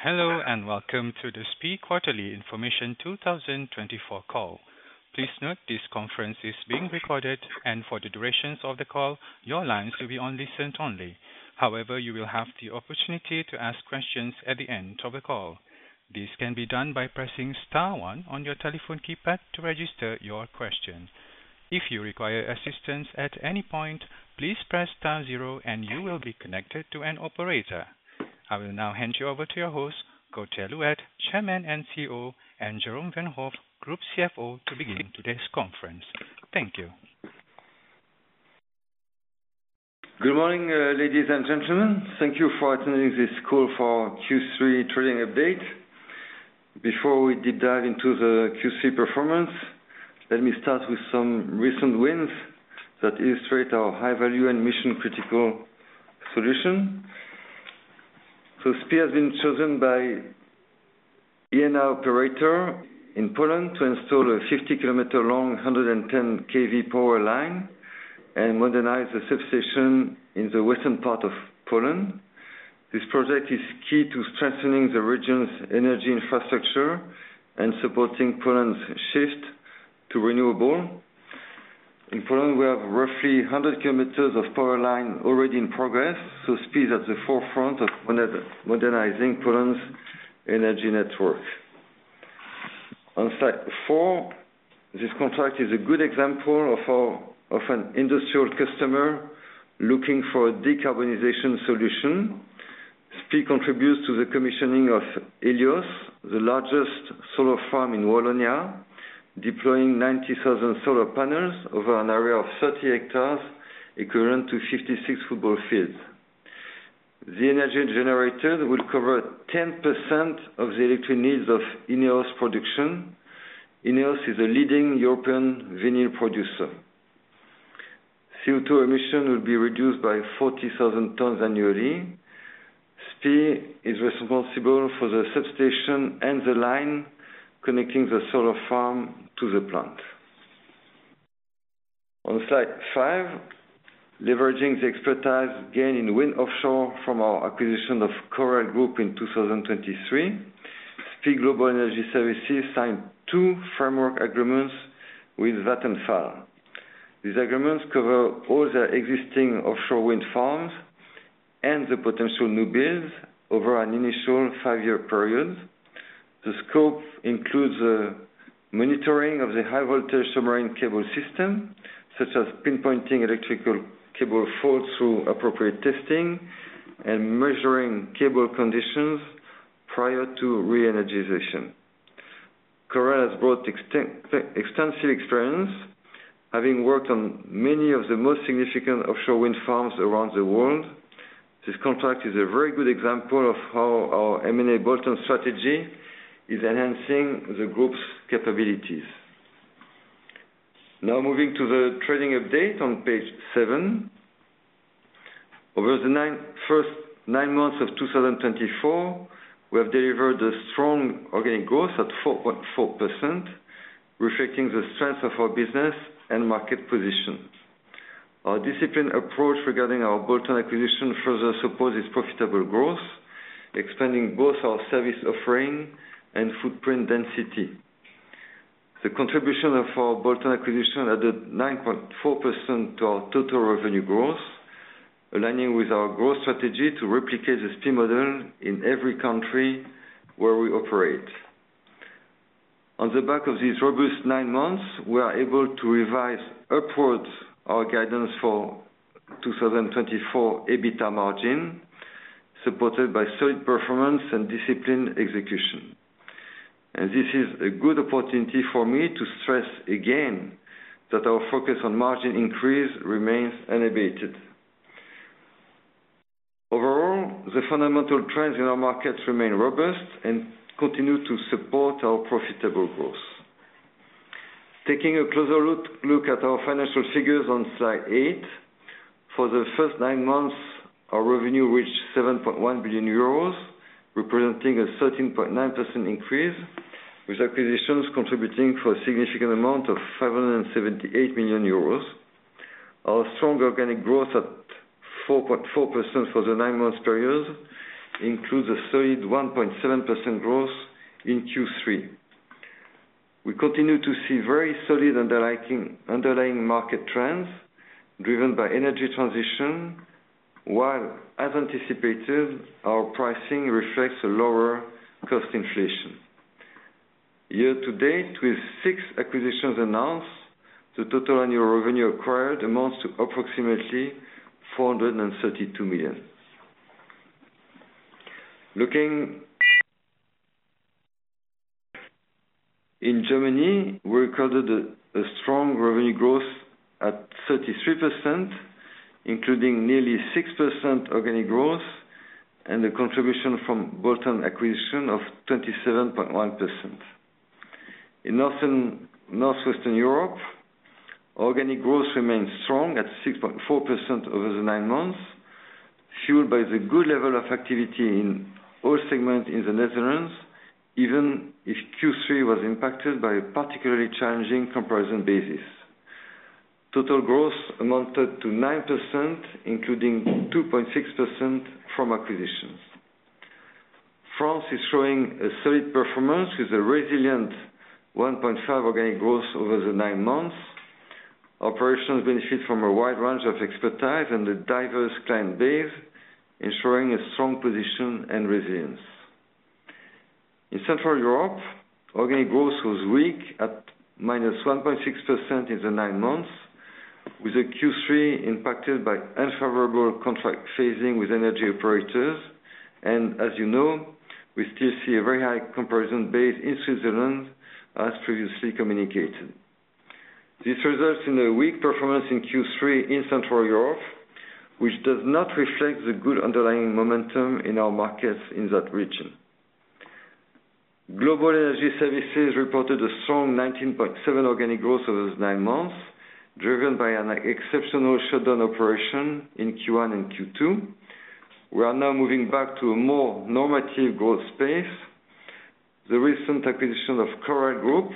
Hello and welcome to the SPIE Quarterly Information 2024 call. Please note this conference is being recorded, and for the duration of the call, your lines will be on listen only. However, you will have the opportunity to ask questions at the end of the call. This can be done by pressing star one on your telephone keypad to register your question. If you require assistance at any point, please press star zero and you will be connected to an operator. I will now hand you over to your host, Gauthier Louette, Chairman and CEO, and Jérôme Vanhove, Group CFO, to begin today's conference. Thank you. Good morning, ladies and gentlemen. Thank you for attending this call for Q3 trading update. Before we deep dive into the Q3 performance, let me start with some recent wins that illustrate our high-value and mission-critical solution. So SPIE has been chosen by Enea Operator in Poland to install a 50 km-long, 110-kV power line and modernize the substation in the western part of Poland. This project is key to strengthening the region's energy infrastructure and supporting Poland's shift to renewable. In Poland, we have roughly 100 km of power line already in progress, so SPIE is at the forefront of modernizing Poland's energy network. On site four, this contract is a good example of an industrial customer looking for a decarbonization solution. SPIE contributes to the commissioning of Helios, the largest solar farm in Wallonia, deploying 90,000 solar panels over an area of 30 hectares, equivalent to 56 football fields. The energy generated will cover 10% of the electric needs of ENR's production. ENR is a leading European vinyl producer. CO2 emission will be reduced by 40,000 tons annually. SPIE is responsible for the substation and the line connecting the solar farm to the plant. On slide five, leveraging the expertise gained in wind offshore from our acquisition of Correll Group in 2023, SPIE Global Energy Services signed two framework agreements with Vattenfall. These agreements cover all their existing offshore wind farms and the potential new builds over an initial five-year period. The scope includes monitoring of the high-voltage submarine cable system, such as pinpointing electrical cable faults through appropriate testing and measuring cable conditions prior to re-energization. Correll has brought extensive experience, having worked on many of the most significant offshore wind farms around the world. This contract is a very good example of how our M&A bolt-on strategy is enhancing the group's capabilities. Now moving to the trading update on page seven. Over the first nine months of 2024, we have delivered a strong organic growth at 4.4%, reflecting the strength of our business and market position. Our disciplined approach regarding our bolt-on acquisition further supports its profitable growth, expanding both our service offering and footprint density. The contribution of our bolt-on acquisition added 9.4% to our total revenue growth, aligning with our growth strategy to replicate the SPIE model in every country where we operate. On the back of these robust nine months, we are able to revise upwards our guidance for 2024 EBITA margin, supported by solid performance and disciplined execution, and this is a good opportunity for me to stress again that our focus on margin increase remains unabated. Overall, the fundamental trends in our market remain robust and continue to support our profitable growth. Taking a closer look at our financial figures on slide eight, for the first nine months, our revenue reached 7.1 billion euros, representing a 13.9% increase, with acquisitions contributing for a significant amount of 578 million euros. Our strong organic growth at 4.4% for the nine-month period includes a solid 1.7% growth in Q3. We continue to see very solid underlying market trends driven by energy transition, while, as anticipated, our pricing reflects a lower cost inflation. Year to date, with six acquisitions announced, the total annual revenue acquired amounts to approximately 432 million. Looking in Germany, we recorded a strong revenue growth at 33%, including nearly 6% organic growth and a contribution from bolt-on acquisition of 27.1%. In Northwestern Europe, organic growth remains strong at 6.4% over the nine months, fueled by the good level of activity in all segments in the Netherlands, even if Q3 was impacted by a particularly challenging comparison basis. Total growth amounted to 9%, including 2.6% from acquisitions. France is showing a solid performance with a resilient 1.5% organic growth over the nine months. Operations benefit from a wide range of expertise and a diverse client base, ensuring a strong position and resilience. In Central Europe, organic growth was weak at -1.6% in the nine months, with Q3 impacted by unfavorable contract phasing with energy operators, and as you know, we still see a very high comparison base in Switzerland, as previously communicated. This results in a weak performance in Q3 in Central Europe, which does not reflect the good underlying momentum in our markets in that region. Global Energy Services reported a strong 19.7% organic growth over the nine months, driven by an exceptional shutdown operation in Q1 and Q2. We are now moving back to a more normative growth space. The recent acquisition of Correll Group,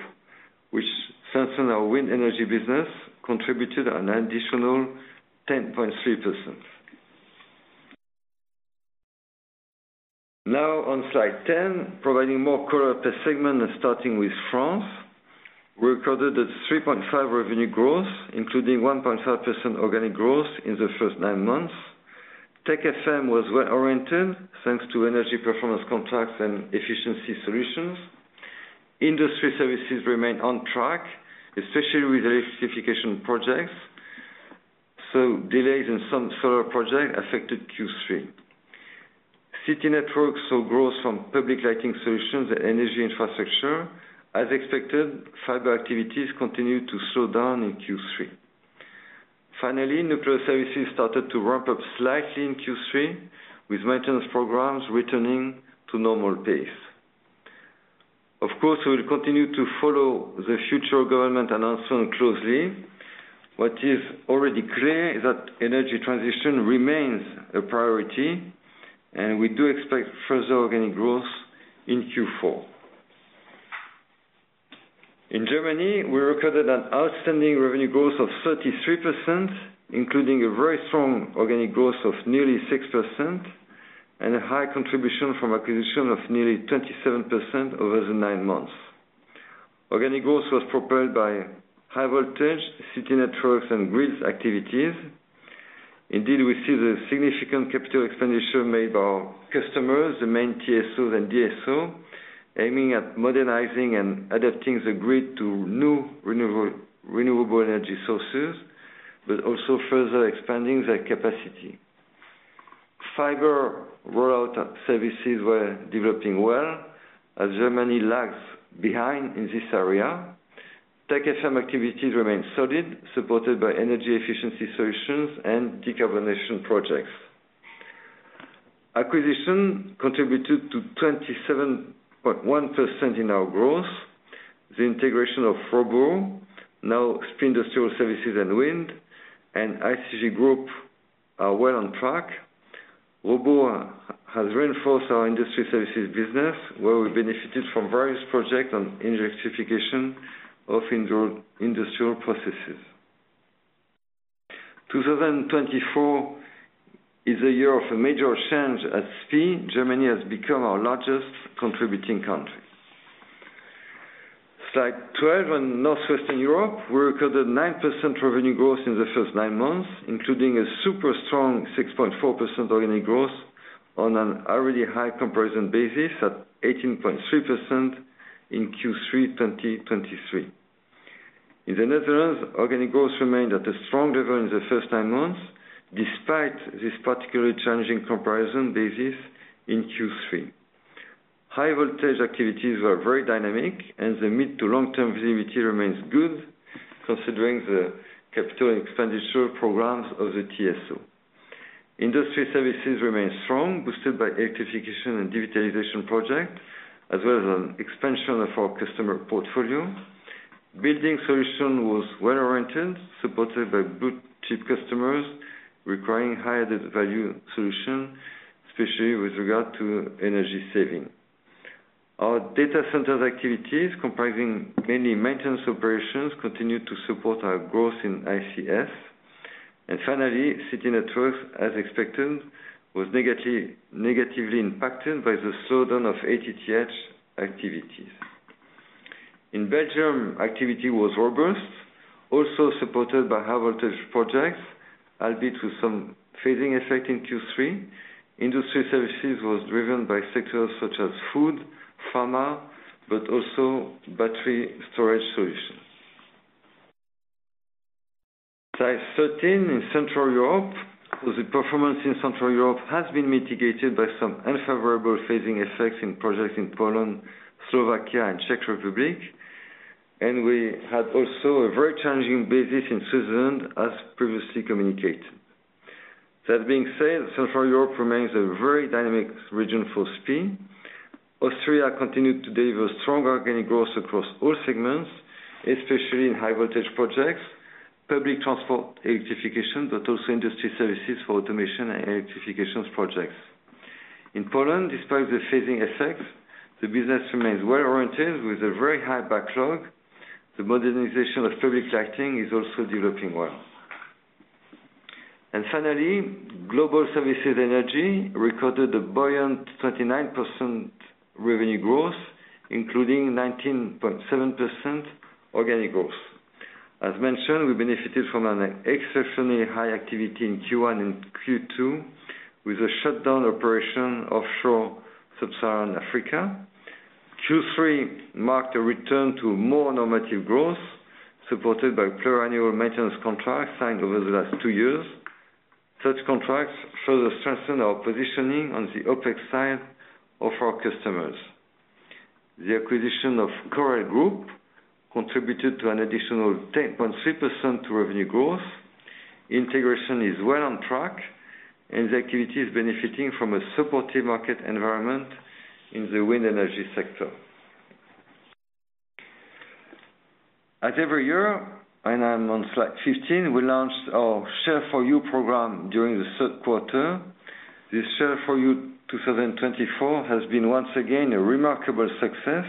which strengthened our wind energy business, contributed an additional 10.3%. Now on slide ten, providing more color per segment and starting with France, we recorded a 3.5% revenue growth, including 1.5% organic growth in the first nine months. Tech FM was well-oriented thanks to energy performance contracts and efficiency solutions. Industry services remained on track, especially with electrification projects, so delays in some solar projects affected Q3. City networks saw growth from public lighting solutions and energy infrastructure. As expected, fiber activities continued to slow down in Q3. Finally, nuclear services started to ramp up slightly in Q3, with maintenance programs returning to normal pace. Of course, we will continue to follow the future government announcement closely. What is already clear is that energy transition remains a priority, and we do expect further organic growth in Q4. In Germany, we recorded an outstanding revenue growth of 33%, including a very strong organic growth of nearly 6% and a high contribution from acquisition of nearly 27% over the nine months. Organic growth was propelled by high-voltage city networks and grid activities. Indeed, we see the significant capital expenditure made by our customers, the main TSOs and DSOs, aiming at modernizing and adapting the grid to new renewable energy sources, but also further expanding their capacity. Fiber rollout services were developing well, as Germany lags behind in this area. Tech FM activities remain solid, supported by energy efficiency solutions and decarbonization projects. Acquisition contributed to 27.1% in our growth. The integration of Robur, now SPIE Industrial Services and Wind, and ICG Group are well on track. Robur has reinforced our industry services business, where we benefited from various projects on electrification of industrial processes. 2024 is a year of a major change at SPIE. Germany has become our largest contributing country. Slide 12. In northwestern Europe, we recorded 9% revenue growth in the first nine months, including a super strong 6.4% organic growth on an already high comparison basis at 18.3% in Q3 2023. In the Netherlands, organic growth remained at a strong level in the first nine months, despite this particularly challenging comparison basis in Q3. High-voltage activities were very dynamic, and the mid to long-term visibility remains good, considering the capital expenditure programs of the TSO. Industry services remained strong, boosted by electrification and digitalization projects, as well as an expansion of our customer portfolio. Building solutions was well-oriented, supported by blue-chip customers requiring higher-value solutions, especially with regard to energy saving. Our data center activities, comprising mainly maintenance operations, continued to support our growth in ICS. And finally, city networks, as expected, were negatively impacted by the slowdown of FTTH activities. In Belgium, activity was robust, also supported by high-voltage projects, albeit with some phasing effect in Q3. Industry services were driven by sectors such as food, pharma, but also battery storage solutions. Slide 13. In Central Europe, the performance in Central Europe has been mitigated by some unfavorable phasing effects in projects in Poland, Slovakia, and Czech Republic. And we had also a very challenging basis in Switzerland, as previously communicated. That being said, Central Europe remains a very dynamic region for SPIE. Austria continued to deliver strong organic growth across all segments, especially in high-voltage projects, public transport electrification, but also industry services for automation and electrification projects. In Poland, despite the phasing effects, the business remains well-oriented with a very high backlog. The modernization of public lighting is also developing well, and finally, Global Energy Services recorded a buoyant 29% revenue growth, including 19.7% organic growth. As mentioned, we benefited from an exceptionally high activity in Q1 and Q2 with a shutdown operation offshore sub-Saharan Africa. Q3 marked a return to more normative growth, supported by pluriannual maintenance contracts signed over the last two years. Such contracts further strengthened our positioning on the OPEX side of our customers. The acquisition of Correll Group contributed to an additional 10.3% revenue growth. Integration is well on track, and the activity is benefiting from a supportive market environment in the wind energy sector. As every year, and I'm on slide 15, we launched our Share For You program during the third quarter. This Share For You 2024 has been once again a remarkable success.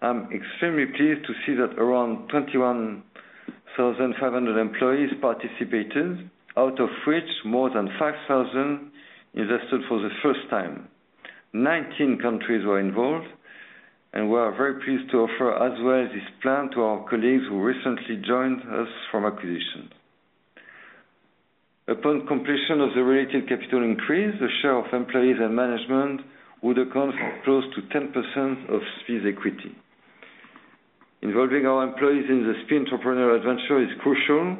I'm extremely pleased to see that around 21,500 employees participated, out of which more than 5,000 invested for the first time. 19 countries were involved, and we are very pleased to offer as well this plan to our colleagues who recently joined us from acquisition. Upon completion of the related capital increase, the share of employees and management would account for close to 10% of SPIE's equity. Involving our employees in the SPIE Entrepreneur Adventure is crucial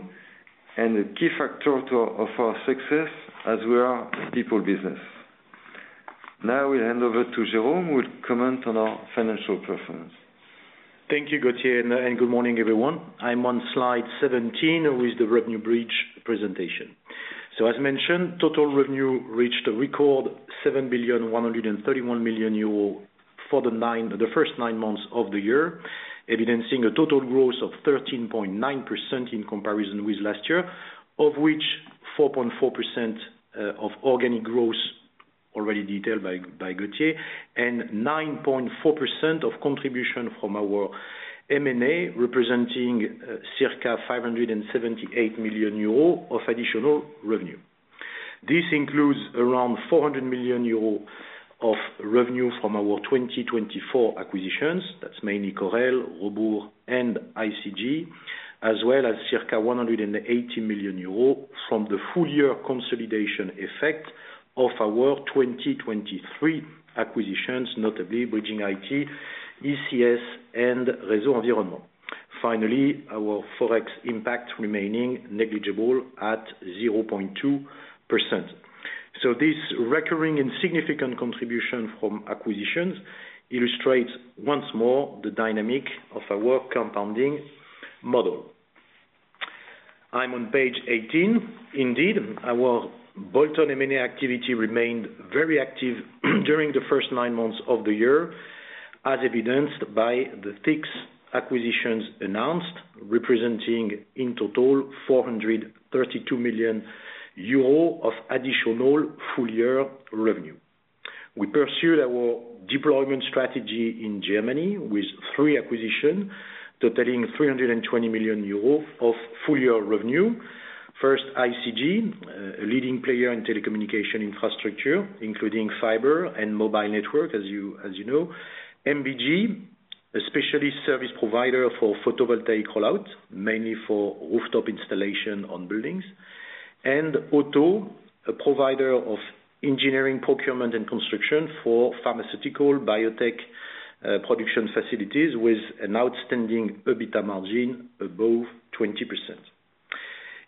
and a key factor of our success, as we are a people business. Now we'll hand over to Jérôme, who will comment on our financial performance. Thank you, Gauthier, and good morning, everyone. I'm on slide 17, with the revenue bridge presentation. As mentioned, total revenue reached a record 7,131 million euro for the first nine months of the year, evidencing a total growth of 13.9% in comparison with last year, of which 4.4% of organic growth, already detailed by Gauthier, and 9.4% of contribution from our M&A, representing circa 578 million euro of additional revenue. This includes around 400 million euro of revenue from our 2024 acquisitions. That's mainly Correll, Robur, and ICG, as well as circa 180 million euros from the full-year consolidation effect of our 2023 acquisitions, notably BridgingIT, ECS, and Réseau Environnement. Finally, our Forex impact remaining negligible at 0.2%. This recurring and significant contribution from acquisitions illustrates once more the dynamic of our compounding model. I'm on page 18. Indeed, our bolt-on M&A activity remained very active during the first nine months of the year, as evidenced by the six acquisitions announced, representing in total 432 million euro of additional full-year revenue. We pursued our deployment strategy in Germany with three acquisitions, totaling 320 million euros of full-year revenue. First, ICG, a leading player in telecommunication infrastructure, including fiber and mobile network, as you know. MBG, a specialist service provider for photovoltaic rollout, mainly for rooftop installation on buildings. And Otto, a provider of engineering procurement and construction for pharmaceutical biotech production facilities with an outstanding EBITDA margin above 20%.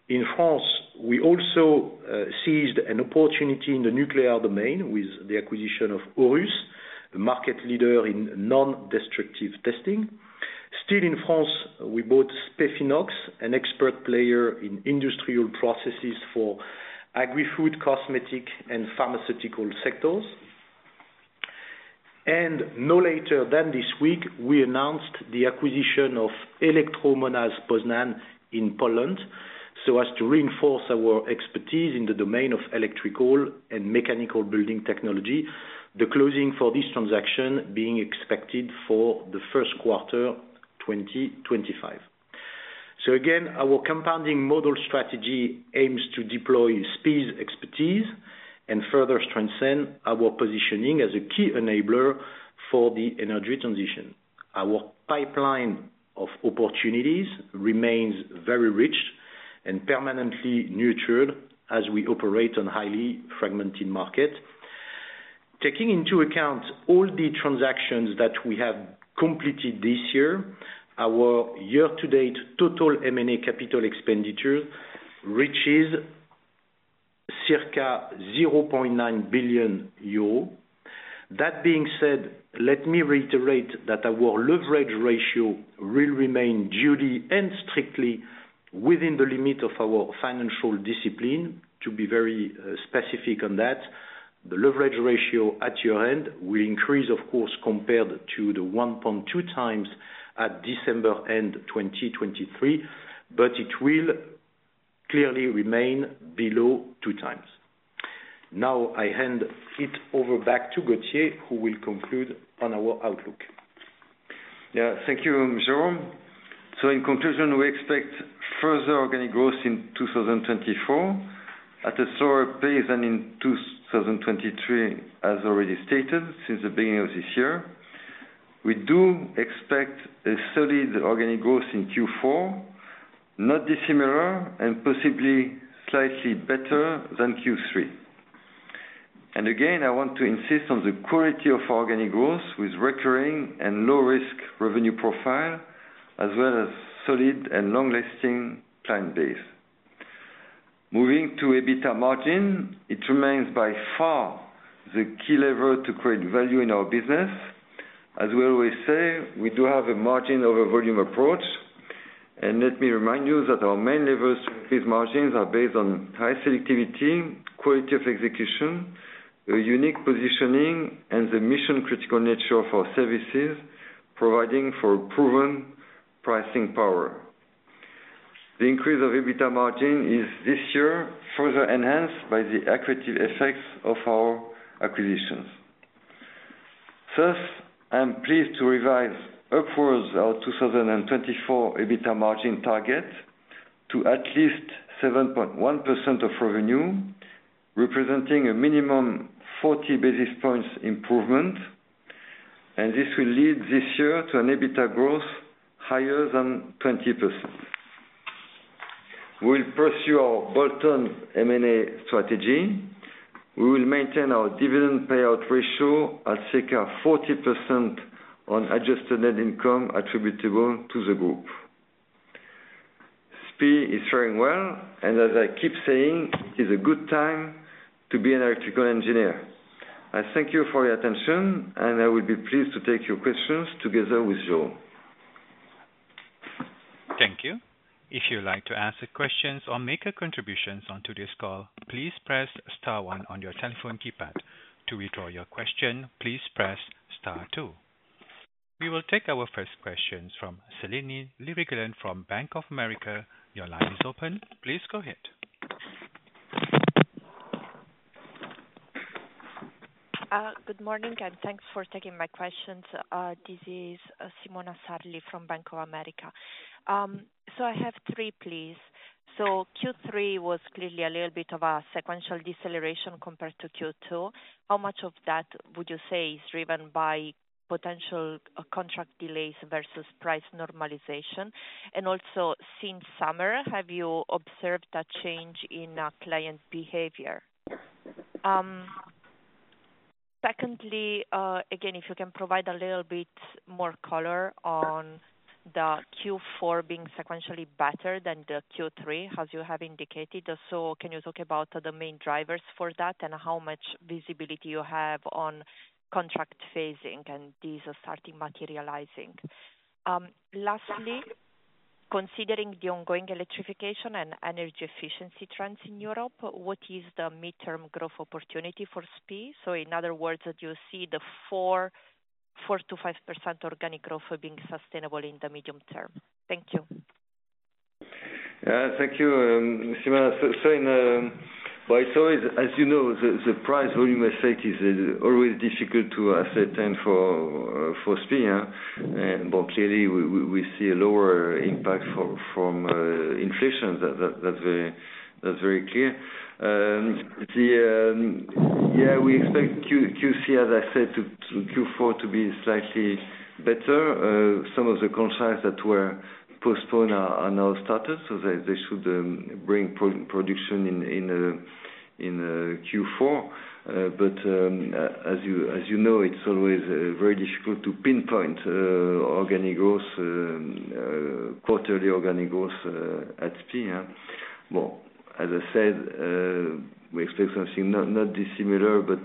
In France, we also seized an opportunity in the nuclear domain with the acquisition of AURUS, a market leader in non-destructive testing. Still in France, we bought Stefinox, an expert player in industrial processes for agrifood, cosmetic, and pharmaceutical sectors. No later than this week, we announced the acquisition of Elektromontaż Poznań in Poland, so as to reinforce our expertise in the domain of electrical and mechanical building technology, the closing for this transaction being expected for the first quarter 2025. So again, our compounding model strategy aims to deploy SPIE's expertise and further strengthen our positioning as a key enabler for the energy transition. Our pipeline of opportunities remains very rich and permanently nurtured as we operate on a highly fragmented market. Taking into account all the transactions that we have completed this year, our year-to-date total M&A capital expenditure reaches circa 0.9 billion euros. That being said, let me reiterate that our leverage ratio will remain duly and strictly within the limit of our financial discipline, to be very specific on that. The leverage ratio at year-end will increase, of course, compared to the 1.2 times at December end 2023, but it will clearly remain below 2 times. Now I hand it over back to Gauthier, who will conclude on our outlook. Yeah, thank you, Jérôme. So in conclusion, we expect further organic growth in 2024 at a slower pace than in 2023, as already stated since the beginning of this year. We do expect a solid organic growth in Q4, not dissimilar and possibly slightly better than Q3. And again, I want to insist on the quality of our organic growth with recurring and low-risk revenue profile, as well as solid and long-lasting client base. Moving to EBITDA margin, it remains by far the key lever to create value in our business. As we always say, we do have a margin over volume approach. And let me remind you that our main levers for these margins are based on high selectivity, quality of execution, a unique positioning, and the mission-critical nature of our services, providing for proven pricing power. The increase of EBITDA margin is this year further enhanced by the equity effects of our acquisitions. Thus, I'm pleased to revise upwards our 2024 EBITDA margin target to at least 7.1% of revenue, representing a minimum 40 basis points improvement. And this will lead this year to an EBITDA growth higher than 20%. We will pursue our bolt-on M&A strategy. We will maintain our dividend payout ratio at circa 40% on adjusted net income attributable to the group. SPIE is faring well, and as I keep saying, it is a good time to be an electrical engineer. I thank you for your attention, and I will be pleased to take your questions together with Jérôme. Thank you. If you'd like to ask questions or make a contribution on today's call, please press star one on your telephone keypad. To withdraw your question, please press star two. We will take our first questions from Simona Sarli from Bank of America. Your line is open. Please go ahead. Good morning, and thanks for taking my questions. This is Simona Sarli from Bank of America. So I have three, please. So Q3 was clearly a little bit of a sequential deceleration compared to Q2. How much of that would you say is driven by potential contract delays versus price normalization? And also, since summer, have you observed a change in client behavior? Secondly, again, if you can provide a little bit more color on the Q4 being sequentially better than the Q3, as you have indicated. So can you talk about the main drivers for that and how much visibility you have on contract phasing and these starting materializing? Lastly, considering the ongoing electrification and energy efficiency trends in Europe, what is the midterm growth opportunity for SPIE? So in other words, do you see the 4%-5% organic growth being sustainable in the medium term? Thank you. Thank you, Simona. But I saw, as you know, the price volume effect is always difficult to ascertain for SPIE. But clearly, we see a lower impact from inflation. That's very clear. Yeah, we expect Q4, as I said, to be slightly better. Some of the contracts that were postponed are now started, so they should bring production in Q4. But as you know, it's always very difficult to pinpoint organic growth, quarterly organic growth at SPIE. Well, as I said, we expect something not dissimilar, but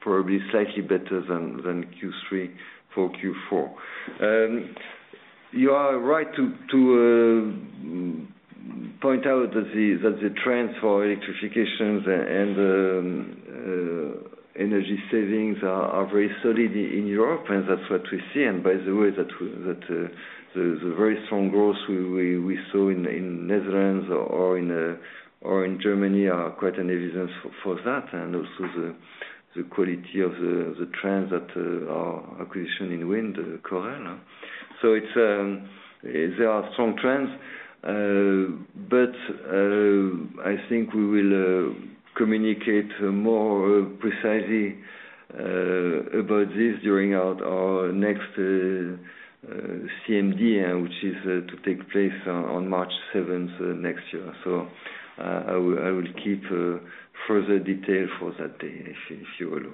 probably slightly better than Q3 for Q4. You are right to point out that the trends for electrification and energy savings are very solid in Europe, and that's what we see. And by the way, the very strong growth we saw in the Netherlands or in Germany are quite an evidence for that, and also the quality of the trends that are acquisitions in wind, Correll. So there are strong trends, but I think we will communicate more precisely about this during our next CMD, which is to take place on March 7th next year. So I will keep further detail for that day, if you will.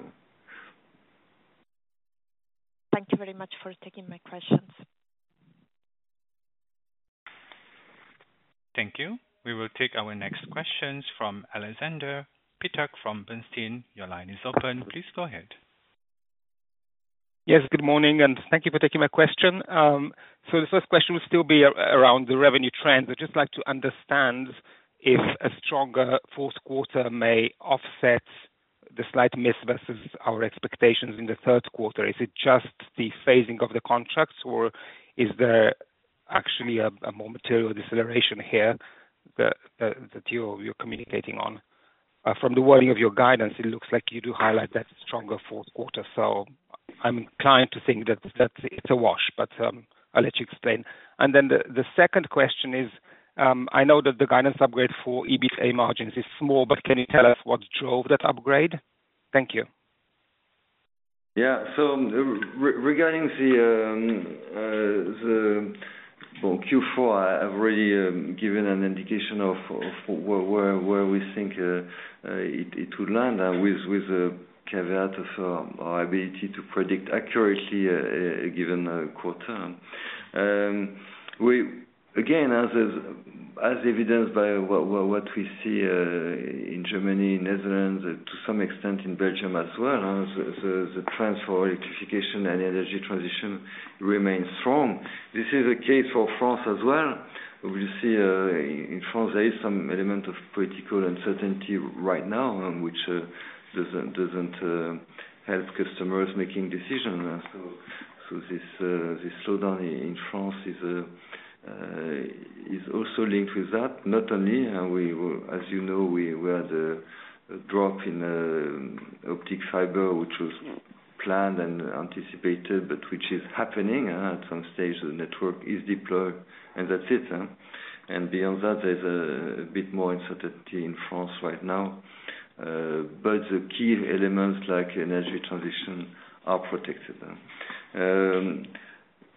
Thank you very much for taking my questions. Thank you. We will take our next questions from Alexandra Pieters from Bernstein. Your line is open. Please go ahead. Yes, good morning, and thank you for taking my question. So the first question will still be around the revenue trends. I'd just like to understand if a stronger fourth quarter may offset the slight miss versus our expectations in the third quarter. Is it just the phasing of the contracts, or is there actually a more material deceleration here that you're communicating on? From the wording of your guidance, it looks like you do highlight that stronger fourth quarter. So I'm inclined to think that it's a wash, but I'll let you explain. And then the second question is, I know that the guidance upgrade for EBITA margins is small, but can you tell us what drove that upgrade? Thank you. Yeah, so regarding the Q4, I've already given an indication of where we think it would land with a caveat of our ability to predict accurately a given quarter. Again, as evidenced by what we see in Germany, Netherlands, to some extent in Belgium as well, the trends for electrification and energy transition remain strong. This is the case for France as well. We see in France there is some element of political uncertainty right now, which doesn't help customers making decisions. So this slowdown in France is also linked with that. Not only, as you know, we had a drop in optical fiber, which was planned and anticipated, but which is happening. At some stage, the network is deployed, and that's it. And beyond that, there's a bit more uncertainty in France right now. But the key elements like energy transition are protected.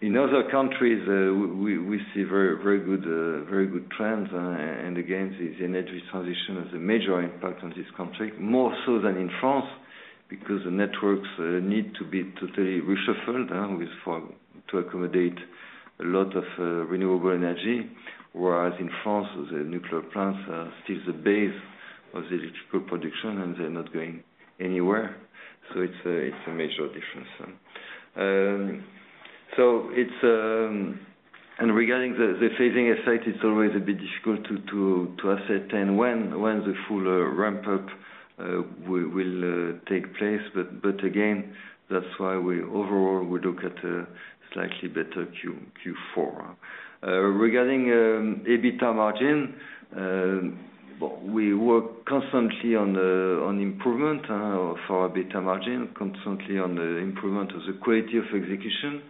In other countries, we see very good trends, and again, the energy transition has a major impact on this country, more so than in France, because the networks need to be totally reshuffled to accommodate a lot of renewable energy. Whereas in France, the nuclear plants are still the base of the electrical production, and they're not going anywhere, so it's a major difference, and regarding the phasing effect, it's always a bit difficult to ascertain when the full ramp-up will take place, but again, that's why we overall look at a slightly better Q4. Regarding EBITDA margin, we work constantly on improvement for EBITDA margin, constantly on the improvement of the quality of execution.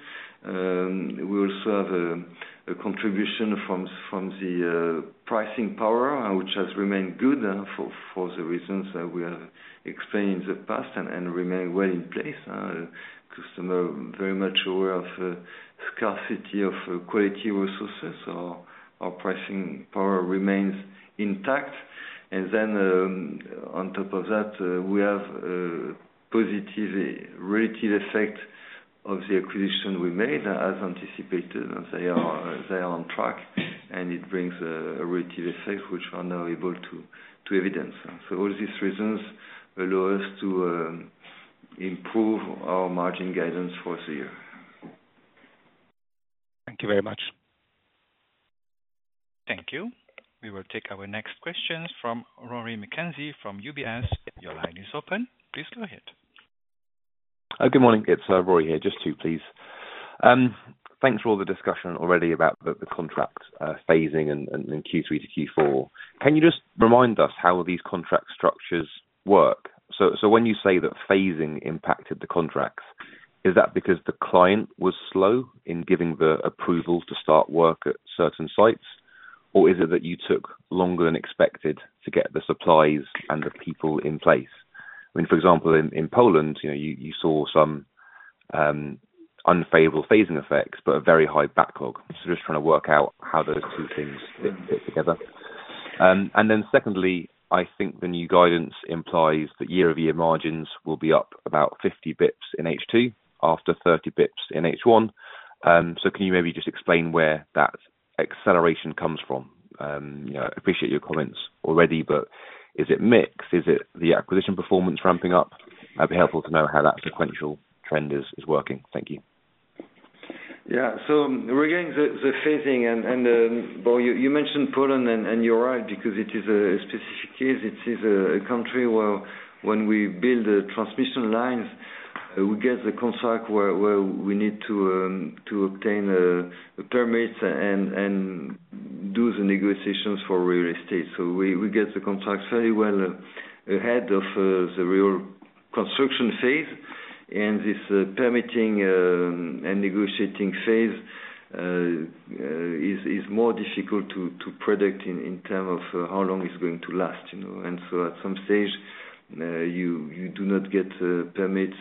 We also have a contribution from the pricing power, which has remained good for the reasons we have explained in the past and remained well in place. Customer is very much aware of the scarcity of quality resources, so our pricing power remains intact, and then on top of that, we have a positive relative effect of the acquisition we made, as anticipated. They are on track, and it brings a relative effect which we are now able to evidence, so all these reasons allow us to improve our margin guidance for the year. Thank you very much. Thank you. We will take our next questions from Rory McKenzie from UBS. Your line is open. Please go ahead. Good morning. It's Rory here. Just two, please. Thanks for all the discussion already about the contract phasing and Q3 to Q4. Can you just remind us how these contract structures work? So when you say that phasing impacted the contracts, is that because the client was slow in giving the approval to start work at certain sites, or is it that you took longer than expected to get the supplies and the people in place? I mean, for example, in Poland, you saw some unfavorable phasing effects, but a very high backlog. So just trying to work out how those two things fit together. And then secondly, I think the new guidance implies that year-over-year margins will be up about 50 basis points in H2 after 30 basis points in H1. So can you maybe just explain where that acceleration comes from? I appreciate your comments already, but is it mixed? Is it the acquisition performance ramping up? It'd be helpful to know how that sequential trend is working. Thank you. Yeah. So regarding the phasing, and you mentioned Poland, and you're right because it is a specific case. It is a country where when we build transmission lines, we get the contract where we need to obtain permits and do the negotiations for real estate. So we get the contracts very well ahead of the real construction phase. And this permitting and negotiating phase is more difficult to predict in terms of how long it's going to last. And so at some stage, you do not get permits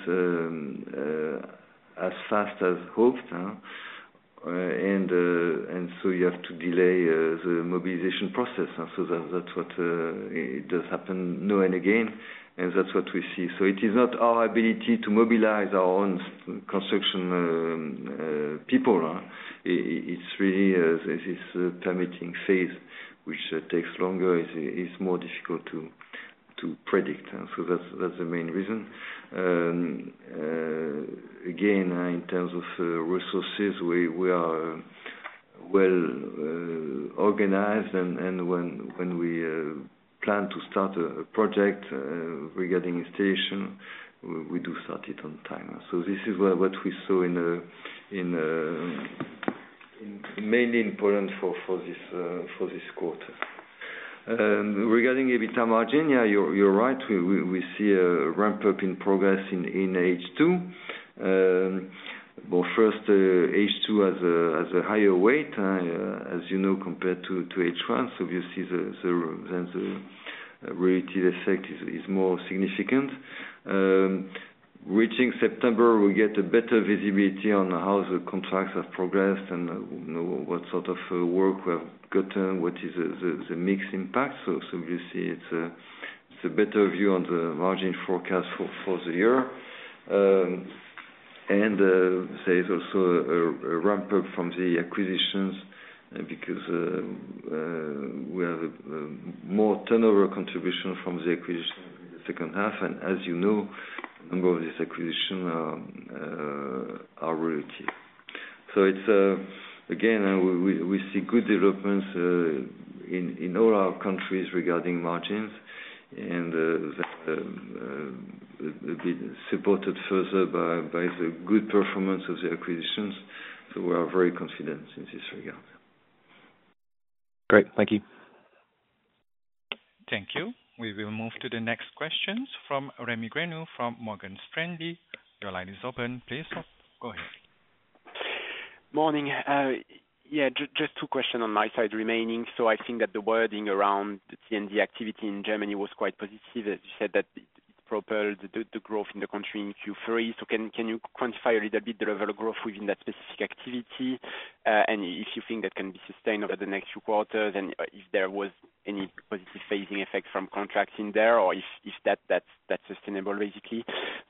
as fast as hoped. And so you have to delay the mobilization process. So that's what does happen now and again, and that's what we see. So it is not our ability to mobilize our own construction people. It's really this permitting phase, which takes longer, is more difficult to predict. So that's the main reason. Again, in terms of resources, we are well organized. And when we plan to start a project regarding installation, we do start it on time. So this is what we saw mainly in Poland for this quarter. Regarding EBITDA margin, yeah, you're right. We see a ramp-up in progress in H2. But first, H2 has a higher weight, as you know, compared to H1. So you see then the relative effect is more significant. Reaching September, we get a better visibility on how the contracts have progressed and what sort of work we have gotten, what is the mixed impact. So you see it's a better view on the margin forecast for the year. And there is also a ramp-up from the acquisitions because we have more turnover contribution from the acquisition in the second half. And as you know, a number of these acquisitions are related. So again, we see good developments in all our countries regarding margins, and they've been supported further by the good performance of the acquisitions. So we are very confident in this regard. Great. Thank you. Thank you. We will move to the next questions from Rémi Grenouilleau, from Morgan Stanley. Your line is open. Please go ahead. Morning. Yeah, just two questions on my side remaining. So I think that the wording around the TND activity in Germany was quite positive. As you said, that it propelled the growth in the country in Q3. So can you quantify a little bit the level of growth within that specific activity? And if you think that can be sustained over the next few quarters, and if there was any positive phasing effect from contracts in there, or if that's sustainable, basically.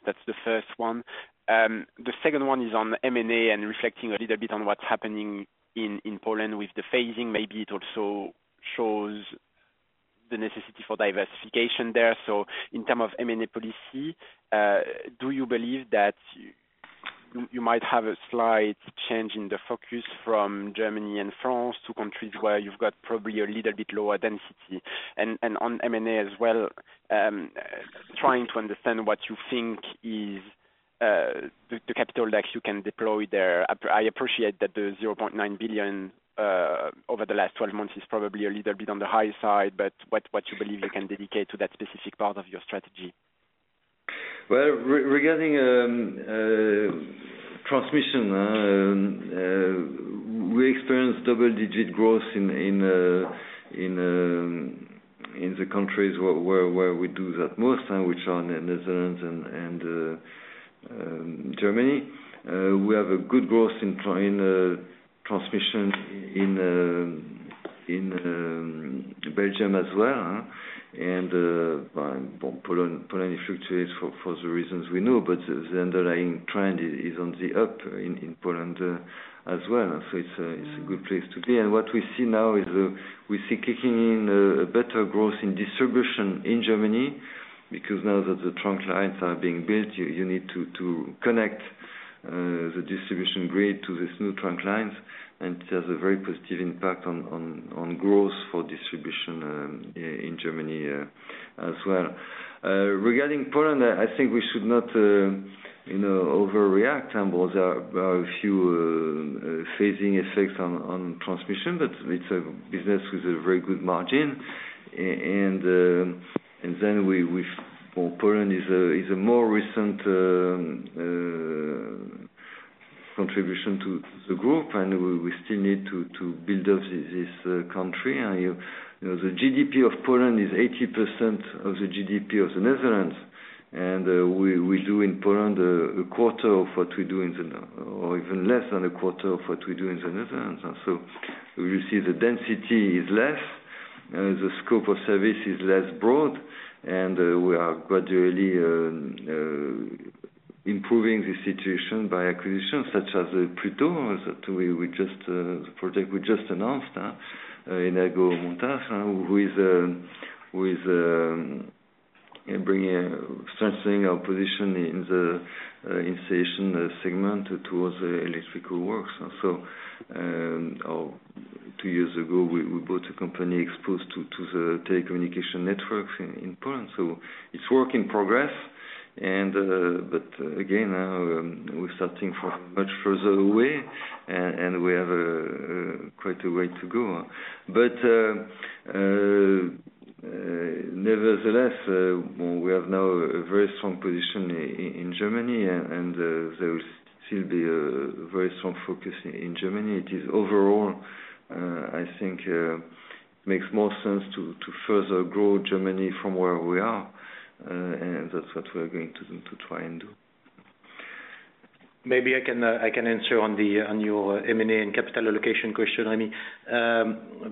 That's the first one. The second one is on M&A and reflecting a little bit on what's happening in Poland with the phasing. Maybe it also shows the necessity for diversification there. So in terms of M&A policy, do you believe that you might have a slight change in the focus from Germany and France to countries where you've got probably a little bit lower density? And on M&A as well, trying to understand what you think is the capital that you can deploy there. I appreciate that the 0.9 billion over the last 12 months is probably a little bit on the high side, but what you believe you can dedicate to that specific part of your strategy? Well, regarding transmission, we experienced double-digit growth in the countries where we do that most, which are the Netherlands and Germany. We have a good growth in transmission in Belgium as well. Poland fluctuates for the reasons we know, but the underlying trend is on the up in Poland as well. So it's a good place to be. What we see now is we see kicking in a better growth in distribution in Germany because now that the trunk lines are being built, you need to connect the distribution grid to these new trunk lines. It has a very positive impact on growth for distribution in Germany as well. Regarding Poland, I think we should not overreact. There are a few phasing effects on transmission, but it's a business with a very good margin. Then Poland is a more recent contribution to the group, and we still need to build up this country. The GDP of Poland is 80% of the GDP of the Netherlands.We do in Poland a quarter of what we do in the Netherlands or even less than a quarter of what we do in the Netherlands. You see the density is less. The scope of service is less broad. We are gradually improving the situation by acquisitions such as Pluto, the project we just announced in That's what we're going to try and do. Maybe I can answer on your M&A and capital allocation question, Rémi.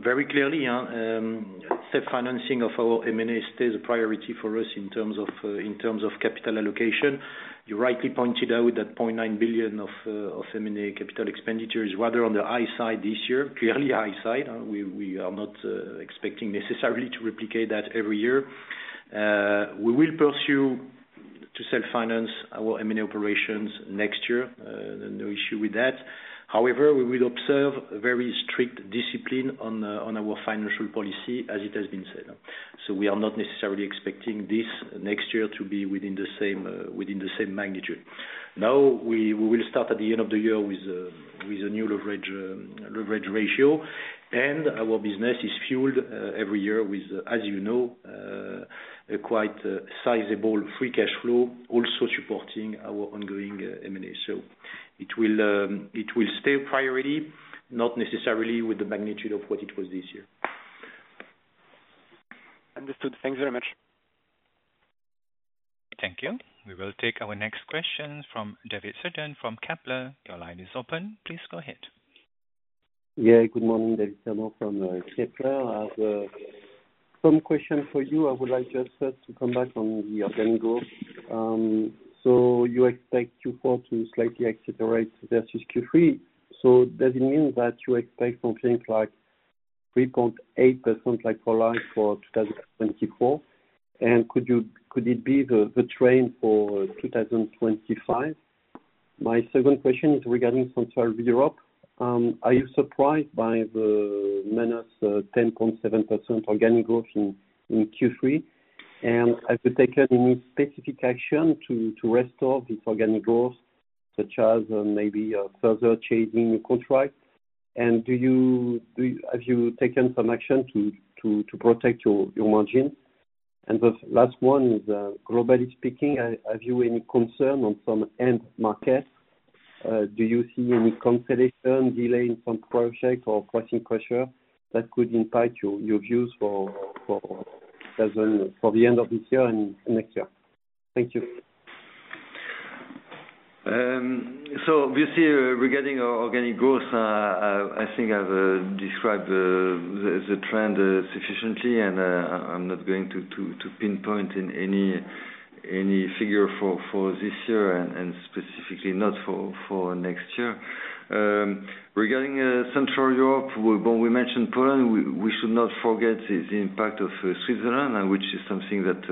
Very clearly, self-financing of our M&A stays a priority for us in terms of capital allocation. You rightly pointed out that 0.9 billion of M&A capital expenditure is rather on the high side this year, clearly high side. We are not expecting necessarily to replicate that every year. We will pursue to self-finance our M&A operations next year. No issue with that. However, we will observe very strict discipline on our financial policy, as it has been said. We are not necessarily expecting this next year to be within the same magnitude. Now, we will start at the end of the year with a new leverage ratio. And our business is fueled every year with, as you know, a quite sizable free cash flow, also supporting our ongoing M&A. So it will stay a priority, not necessarily with the magnitude of what it was this year. Understood. Thanks very much. Thank you. We will take our next question from David Cerdan from Kepler Cheuvreux. Your line is open. Please go ahead. Yeah. Good morning, David Cerdan from Kepler Cheuvreux. I have some questions for you. I would like just to come back on the organic growth. So you expect Q4 to slightly accelerate versus Q3. So does it mean that you expect something like 3.8% like Poland for 2024? And could it be the trend for 2025? My second question is regarding Central Europe. Are you surprised by the minus 10.7% organic growth in Q3? And have you taken any specific action to restore this organic growth, such as maybe further chasing new contracts? And have you taken some action to protect your margin? And the last one is, globally speaking, have you any concern on some end markets? Do you see any cancellation, delay in some projects, or pressing pressure that could impact your views for the end of this year and next year? Thank you. So regarding organic growth, I think I've described the trend sufficiently, and I'm not going to pinpoint any figure for this year and specifically not for next year. Regarding Central Europe, we mentioned Poland. We should not forget the impact of Switzerland, which is something that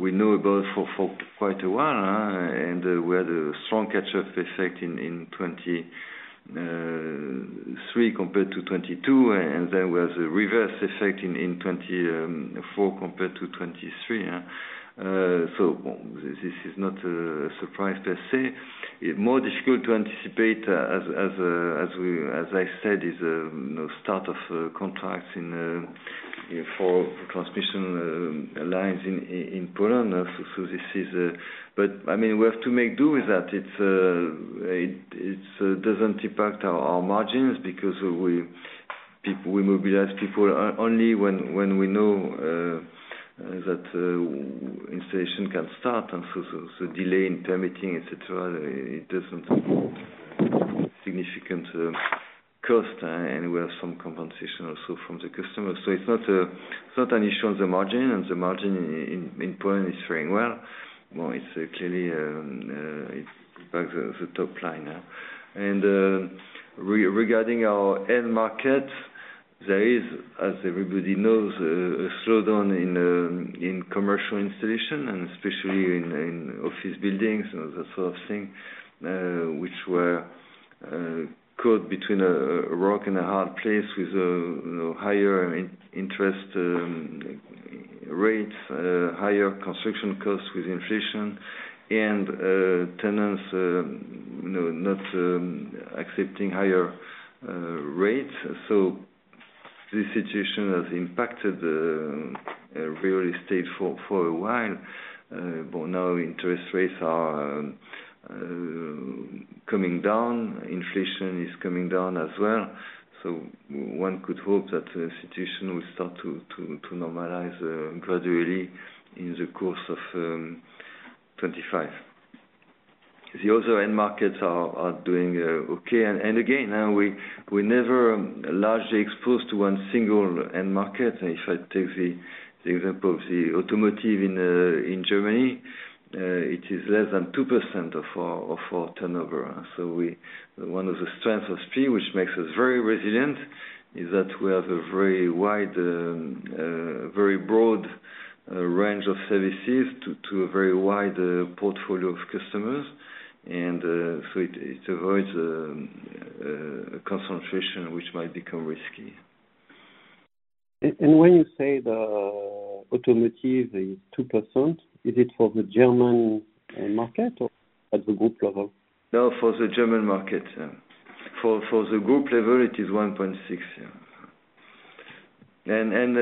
we know about for quite a while. And we had a strong catch-up effect in 2023 compared to 2022. And then we had a reverse effect in 2024 compared to 2023. So this is not a surprise per se. More difficult to anticipate, as I said, is the start of contracts for transmission lines in Poland. But I mean, we have to make do with that. It doesn't impact our margins because we mobilize people only when we know that installation can start. So, delay in permitting, et cetera, it doesn't impact significant cost. And we have some compensation also from the customers. So it's not an issue on the margin. And the margin in Poland is faring well. Well, it's clearly the top line. And regarding our end market, there is, as everybody knows, a slowdown in commercial installation, and especially in office buildings, that sort of thing, which were caught between a rock and a hard place with higher interest rates, higher construction costs with inflation, and tenants not accepting higher rates. This situation has impacted real estate for a while. But now interest rates are coming down. Inflation is coming down as well. So one could hope that the situation will start to normalize gradually in the course of 2025. The other end markets are doing okay. And again, we're never largely exposed to one single end market. If I take the example of the automotive in Germany, it is less than 2% of our turnover. So one of the strengths of SPIE, which makes us very resilient, is that we have a very broad range of services to a very wide portfolio of customers. And so it avoids a concentration which might become risky. And when you say the automotive is 2%, is it for the German market or at the group level? No, for the German market. For the group level, it is 1.6%. And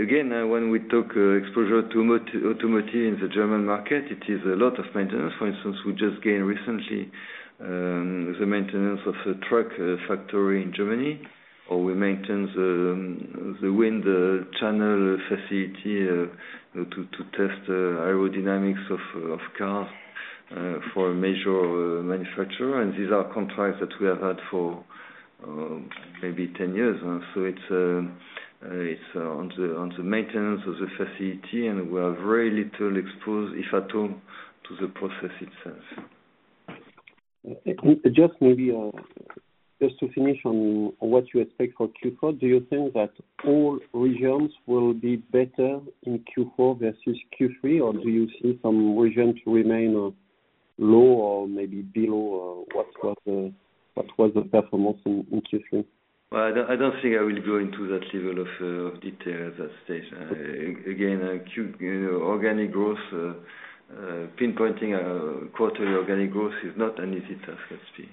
again, when we talk exposure to automotive in the German market, it is a lot of maintenance. For instance, we just gained recently the maintenance of a truck factory in Germany, or we maintain the wind channel facility to test aerodynamics of cars for a major manufacturer. And these are contracts that we have had for maybe 10 years. So it's on the maintenance of the facility, and we have very little exposure, if at all, to the process itself. Just maybe to finish on what you expect for Q4, do you think that all regions will be better in Q4 versus Q3, or do you see some regions remain low or maybe below what was the performance in Q3? Well, I don't think I will go into that level of detail at that stage. Again, organic growth, pinpointing quarterly organic growth is not an easy task, Spain.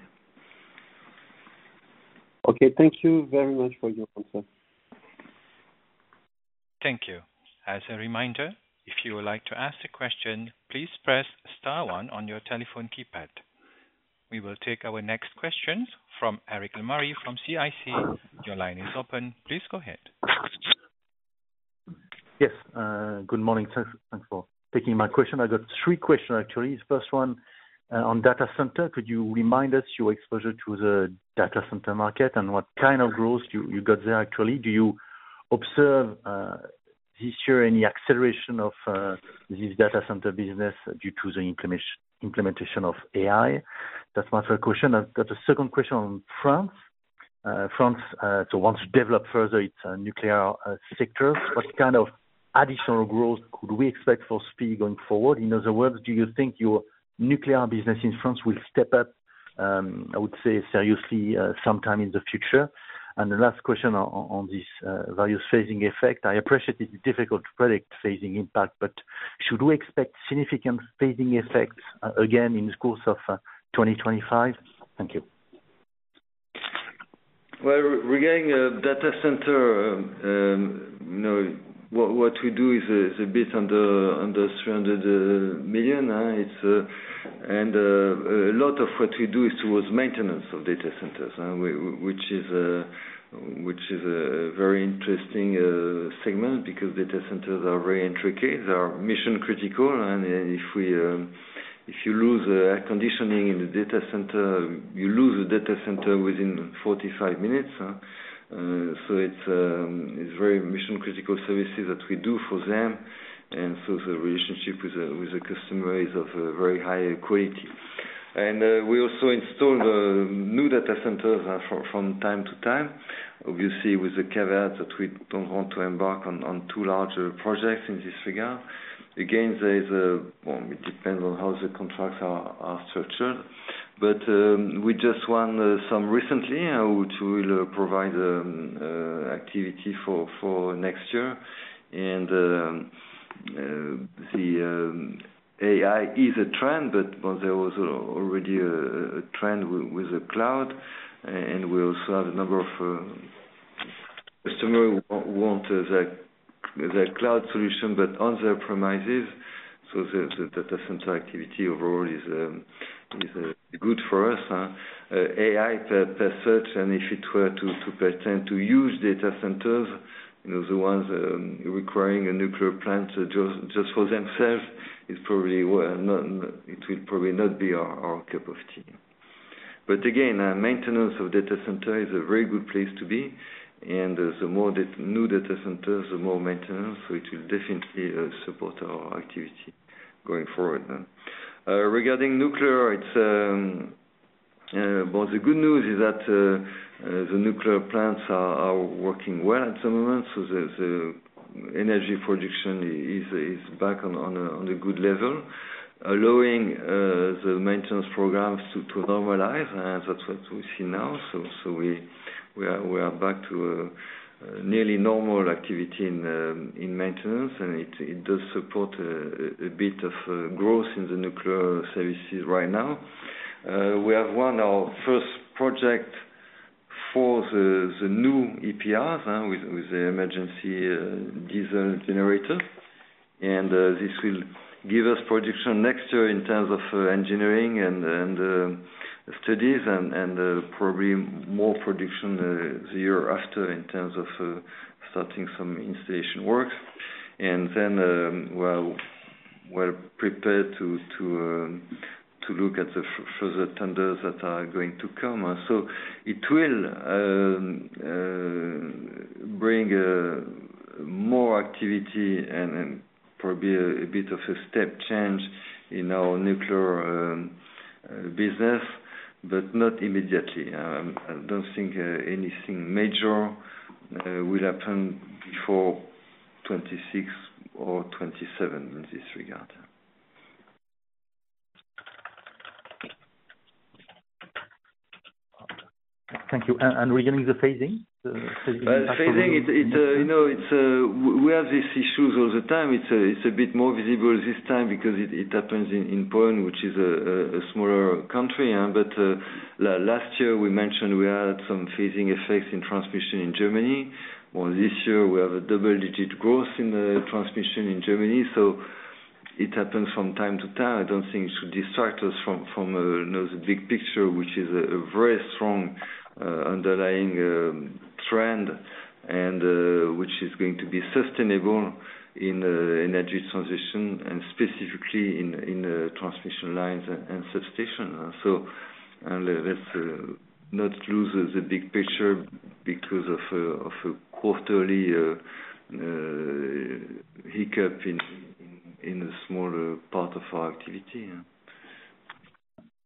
Okay. Thank you very much for your answer. Thank you. As a reminder, if you would like to ask a question, please press star one on your telephone keypad. We will take our next questions from Eric Lemarié from CIC. Your line is open. Please go ahead. Yes. Good morning. Thanks for taking my question. I got three questions, actually. First one, on data center, could you remind us your exposure to the data center market and what kind of growth you got there, actually? Do you observe this year any acceleration of this data center business due to the implementation of AI? That's my first question. I've got a second question on France. France, so once developed further, its nuclear sectors. What kind of additional growth could we expect for SPIE going forward? In other words, do you think your nuclear business in France will step up, I would say, seriously sometime in the future? And the last question on this various phasing effect. I appreciate it's difficult to predict phasing impact, but should we expect significant phasing effects again in the course of 2025? Thank you. Well, regarding data center, what we do is a bit under 300 million. And a lot of what we do is towards maintenance of data centers, which is a very interesting segment because data centers are very intricate. They are mission-critical. And if you lose air conditioning in the data center, you lose the data center within 45 minutes. So it's very mission-critical services that we do for them. And so the relationship with the customer is of very high quality. And we also install new data centers from time to time, obviously, with the caveat that we don't want to embark on too large projects in this regard. Again, it depends on how the contracts are structured. But we just won some recently, which will provide activity for next year. And the AI is a trend, but there was already a trend with the cloud. And we also have a number of customers who want the cloud solution, but on their premises. So the data center activity overall is good for us. AI per se, and if it were to pertain to use data centers, the ones requiring a nuclear plant just for themselves, it will probably not be our cup of tea. But again, maintenance of data center is a very good place to be. And the more new data centers, the more maintenance. So it will definitely support our activity going forward. Regarding nuclear, the good news is that the nuclear plants are working well at the moment. So the energy production is back on a good level, allowing the maintenance programs to normalize. And that's what we see now. So we are back to nearly normal activity in maintenance. And it does support a bit of growth in the nuclear services right now. We have won our first project for the new EPRs with the emergency diesel generator. And this will give us production next year in terms of engineering and studies and probably more production the year after in terms of starting some installation works. And then we're prepared to look at the further tenders that are going to come. So it will bring more activity and probably a bit of a step change in our nuclear business, but not immediately. I don't think anything major will happen before 26 or 27 in this regard. Thank you. And regarding the phasing, the phasing is—we have these issues all the time. It's a bit more visible this time because it happens in Poland, which is a smaller country. But last year, we mentioned we had some phasing effects in transmission in Germany. Well, this year, we have a double-digit growth in transmission in Germany. So it happens from time to time. I don't think it should distract us from the big picture, which is a very strong underlying trend, and which is going to be sustainable in energy transition, and specifically in transmission lines and substations. So let's not lose the big picture because of a quarterly hiccup in a smaller part of our activity.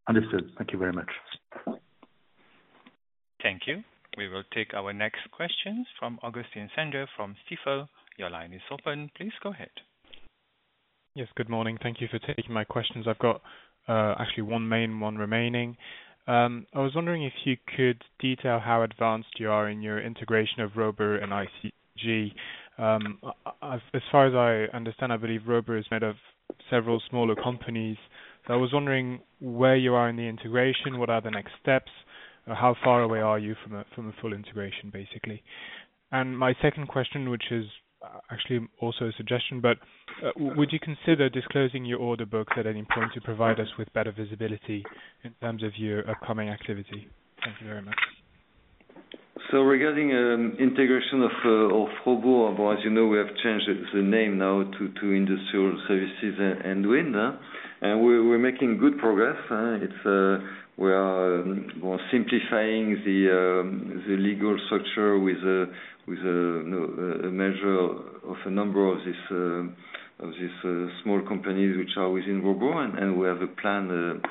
Understood. Thank you very much. Thank you. We will take our next questions from Augustin Senger from Stifel. Your line is open. Please go ahead. Yes. Good morning. Thank you for taking my questions. I've got actually one main one remaining. I was wondering if you could detail how advanced you are in your integration of Robur and ICG. As far as I understand, I believe Robur is made of several smaller companies. I was wondering where you are in the integration, what are the next steps, how far away are you from a full integration, basically. And my second question, which is actually also a suggestion, but would you consider disclosing your order books at any point to provide us with better visibility in terms of your upcoming activity? Thank you very much. So regarding integration of Robur, as you know, we have changed the name now to Industrial Services and Wind. We're making good progress. We are simplifying the legal structure with the merger of a number of these small companies which are within Robur. We have a plan,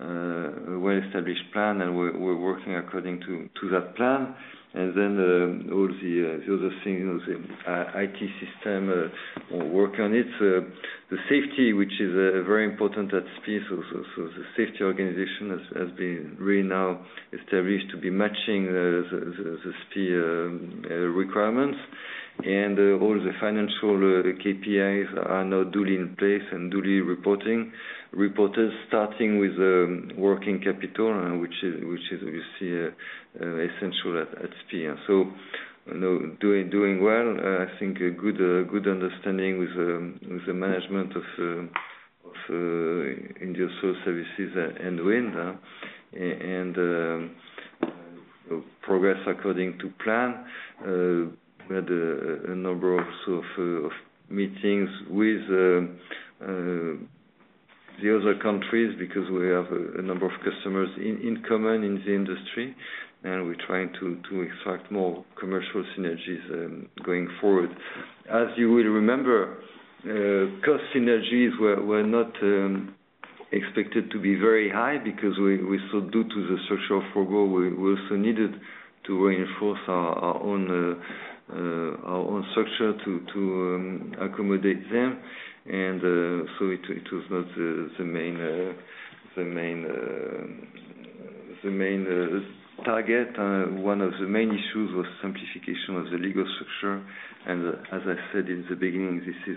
a well-established plan, and we're working according to that plan. Then all the other things, IT system work on it. The safety, which is very important at SPIE. The safety organization has been really now established to be matching the SPIE requirements. All the financial KPIs are now duly in place and duly reported starting with working capital, which is, obviously, essential at SPIE. Doing well, I think a good understanding with the management of Industrial Services and Wind, and progress according to plan. We had a number of meetings with the other countries because we have a number of customers in common in the industry. We're trying to extract more commercial synergies going forward. As you will remember, cost synergies were not expected to be very high because we saw, due to the structure of Robur, we also needed to reinforce our own structure to accommodate them. And so it was not the main target. One of the main issues was simplification of the legal structure. And as I said in the beginning, this is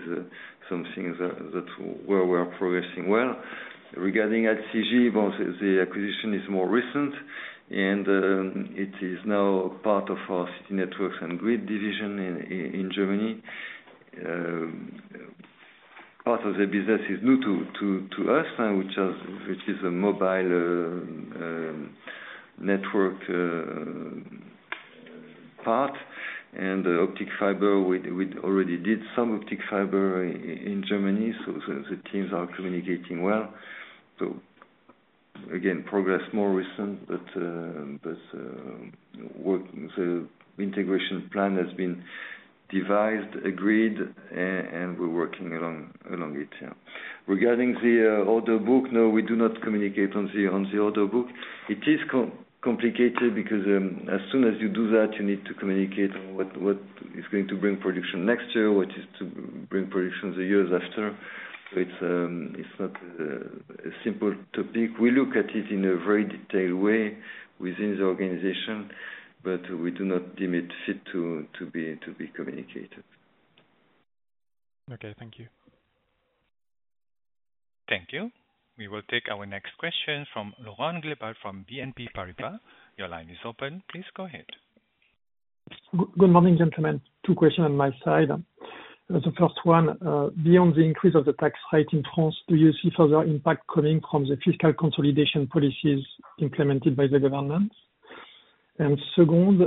something that we are progressing well. Regarding ICG, the acquisition is more recent. And it is now part of our city networks and grid division in Germany. Part of the business is new to us, which is a mobile network part. And the optical fiber, we already did some optical fiber in Germany. So the teams are communicating well. So again, progress more recent, but the integration plan has been devised, agreed, and we're working along it. Regarding the order book, no, we do not communicate on the order book. It is complicated because as soon as you do that, you need to communicate what is going to bring production next year, what is to bring production the years after. So it's not a simple topic. We look at it in a very detailed way within the organization, but we do not deem it fit to be communicated. Okay. Thank you. Thank you. We will take our next question from Laurent Gelebart from BNP Paribas. Your line is open. Please go ahead. Good morning, gentlemen. Two questions on my side. The first one, beyond the increase of the tax rate in France, do you see further impact coming from the fiscal consolidation policies implemented by the government? And second,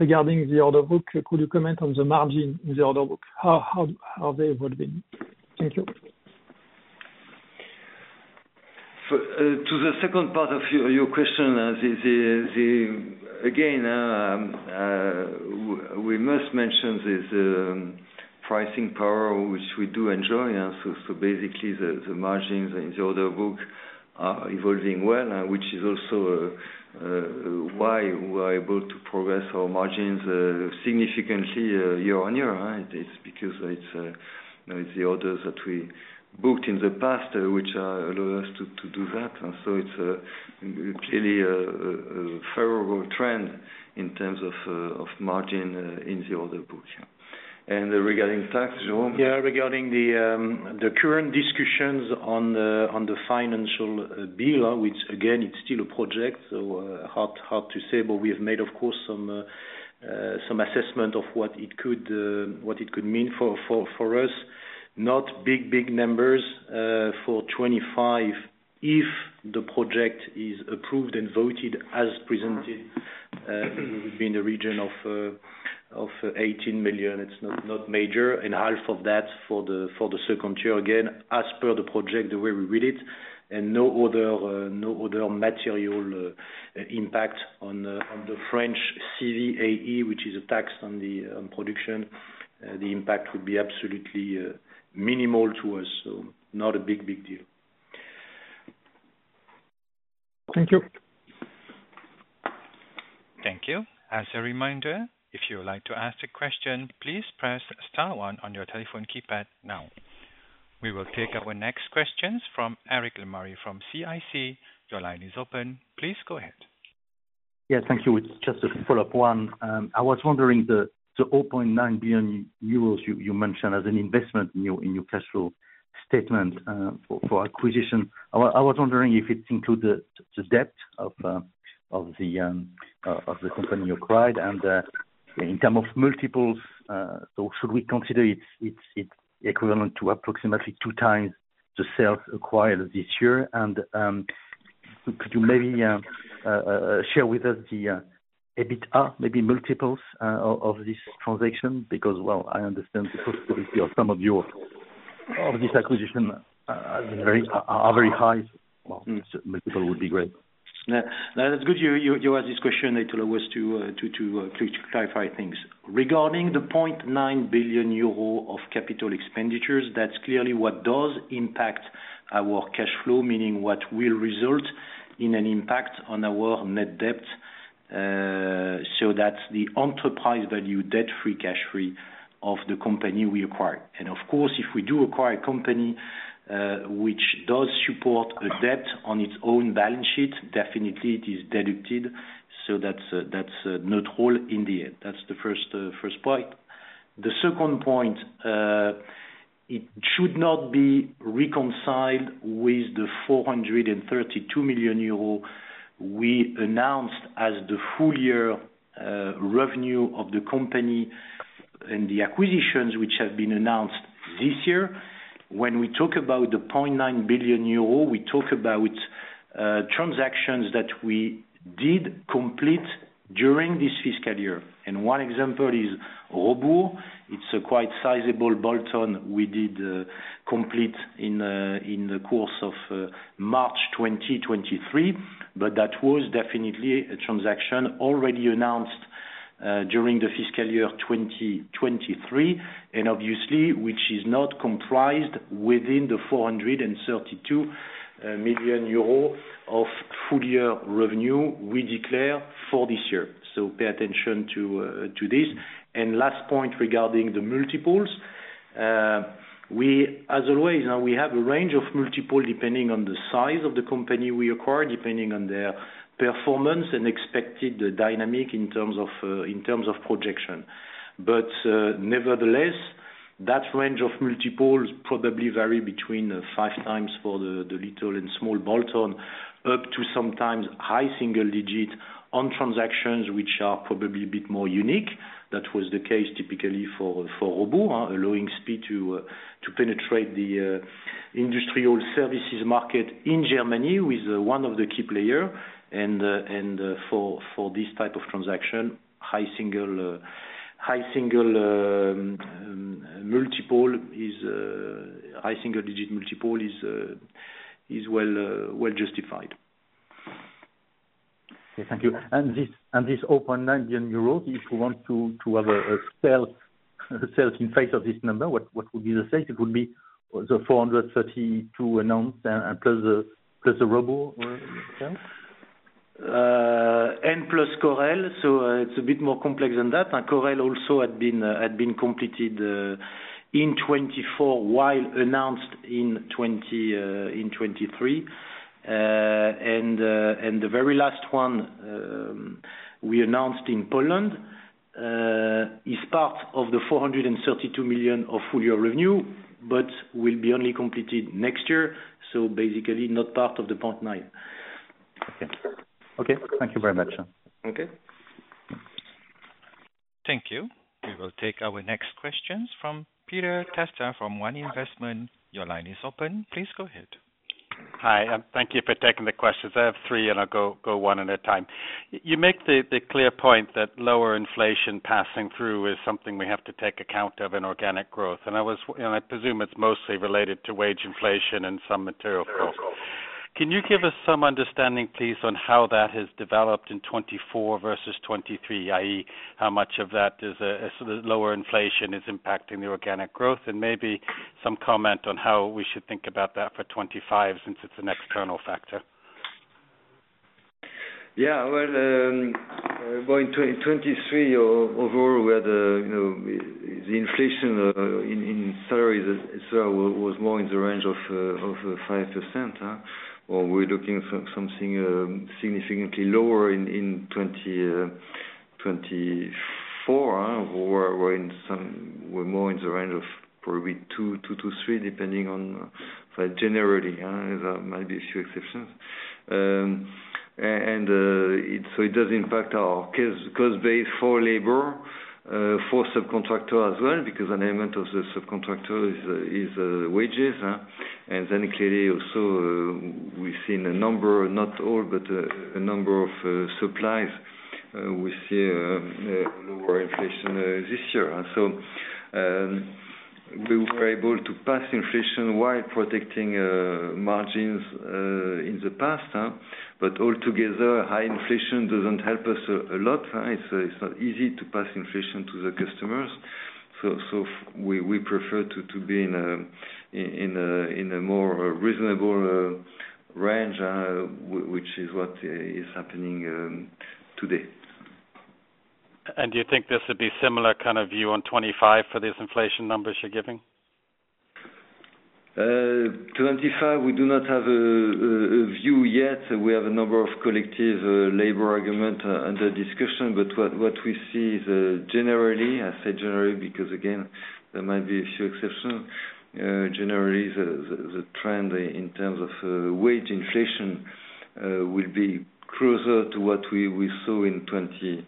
regarding the order book, could you comment on the margin in the order book? How are they evolving? Thank you. To the second part of your question, again, we must mention this pricing power, which we do enjoy. So basically, the margins in the order book are evolving well, which is also why we are able to progress our margins significantly year on year. It's because it's the orders that we booked in the past, which allow us to do that. So it's clearly a favorable trend in terms of margin in the order book. And regarding tax, Jérôme? Yeah. Regarding the current discussions on the financial bill, which, again, it's still a project, so hard to say. But we have made, of course, some assessment of what it could mean for us. Not big, big numbers for 2025 if the project is approved and voted as presented. It would be in the region of 18 million. It's not major. Half of that for the second year, again, as per the project, the way we read it. No other material impact on the French CVAE, which is a tax on production. The impact would be absolutely minimal to us, so not a big, big deal. Thank you. Thank you. As a reminder, if you would like to ask a question, please press star one on your telephone keypad now. We will take our next questions from Eric Lemarié from CIC. Your line is open. Please go ahead. Yes. Thank you. Just a follow-up one. I was wondering the 0.9 billion euros you mentioned as an investment in your cash flow statement for acquisition. I was wondering if it included the debt of the company you acquired. In terms of multiples, so should we consider it equivalent to approximately two times the sales acquired this year? And could you maybe share with us the EBITDA, maybe multiples of this transaction? Because, well, I understand the possibility of some of your, of this acquisition are very high. Multiple would be great. That's good. You asked this question to allow us to clarify things. Regarding the 0.9 billion euro of capital expenditures, that's clearly what does impact our cash flow, meaning what will result in an impact on our net debt. So that's the enterprise value, debt-free, cash-free of the company we acquired. And of course, if we do acquire a company which does support a debt on its own balance sheet, definitely it is deducted. So that's no trouble in the end. That's the first point. The second point, it should not be reconciled with the 432 million euro we announced as the full year revenue of the company and the acquisitions which have been announced this year. When we talk about the 0.9 billion euro, we talk about transactions that we did complete during this fiscal year. And one example is Robur. It's a quite sizable bolt-on we did complete in the course of March 2023. But that was definitely a transaction already announced during the fiscal year 2023. And obviously, which is not comprised within the 432 million euros of full year revenue we declare for this year. So pay attention to this. And last point regarding the multiples. As always, we have a range of multiples depending on the size of the company we acquired, depending on their performance and expected dynamic in terms of projection. But nevertheless, that range of multiples probably varies between five times for the little and small bolt-on, up to sometimes high single digit on transactions which are probably a bit more unique. That was the case typically for Robur, allowing SPIE to penetrate the industrial services market in Germany with one of the key players. And for this type of transaction, high single multiple, high single digit multiple is well justified. Thank you. And this 0.9 billion euros, if we want to have sales in place of this number, what would be the sales? It would be the 432 announced and plus the Robur sales? And plus Correll. So it's a bit more complex than that. Correll also had been completed in 2024 while announced in 2023. And the very last one we announced in Poland is part of the 432 million of full year revenue, but will be only completed next year. So basically, not part of the 0.9. Okay. Okay. Thank you very much. Okay. Thank you. We will take our next questions from Peter Testa from One Investments. Your line is open. Please go ahead. Hi. Thank you for taking the questions. I have three, and I'll go one at a time. You make the clear point that lower inflation passing through is something we have to take account of in organic growth. And I presume it's mostly related to wage inflation and some material growth. Can you give us some understanding, please, on how that has developed in 2024 versus 2023, i.e., how much of that is lower inflation is impacting the organic growth? And maybe some comment on how we should think about that for 2025 since it's an external factor. Yeah. Well, going to 2023, overall, the inflation in salaries was more in the range of 5%. We're looking at something significantly lower in 2024. We're more in the range of probably 2%-3%, depending on generally. There might be a few exceptions. And so it does impact our cost base for labor, for subcontractor as well, because an element of the subcontractor is wages. And then clearly, also we've seen a number, not all, but a number of suppliers. We see lower inflation this year. So we were able to pass inflation while protecting margins in the past. But altogether, high inflation doesn't help us a lot. It's not easy to pass inflation to the customers. So we prefer to be in a more reasonable range, which is what is happening today. And do you think this would be a similar kind of view on 2025 for these inflation numbers you're giving? 2025, we do not have a view yet. We have a number of collective labor agreements under discussion. But what we see is generally, I say generally because, again, there might be a few exceptions, generally, the trend in terms of wage inflation will be closer to what we saw in 2024